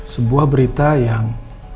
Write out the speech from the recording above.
sebuah berita yang